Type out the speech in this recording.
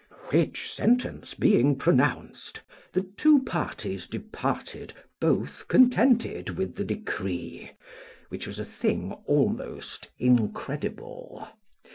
Which sentence being pronounced, the two parties departed both contented with the decree, which was a thing almost incredible.